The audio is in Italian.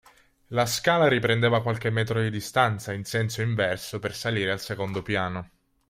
La scala riprendeva a qualche metro di distanza, in senso inverso, per salire al secondo piano.